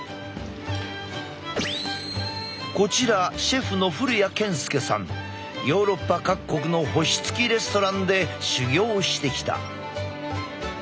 こちらヨーロッパ各国の星つきレストランで修業してきた。